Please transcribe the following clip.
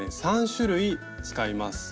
３種類使います。